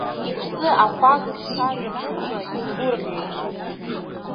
Иԥсы ахәага шҭаз анырба, игәырӷьеит.